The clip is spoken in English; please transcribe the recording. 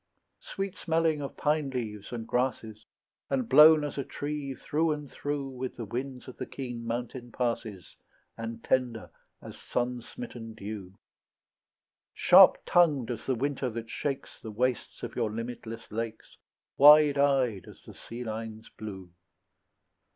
Sweet smelling of pine leaves and grasses, And blown as a tree through and through With the winds of the keen mountain passes, And tender as sun smitten dew; Sharp tongued as the winter that shakes The wastes of your limitless lakes, Wide eyed as the sea line's blue.